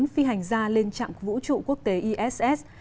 bốn phi hành ra lên trạng vũ trụ quốc tế iss